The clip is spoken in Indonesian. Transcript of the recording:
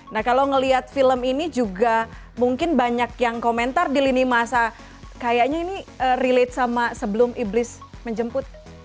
nah kalau ngelihat film ini juga mungkin banyak yang komentar di lini masa kayaknya ini relate sama sebelum iblis menjemput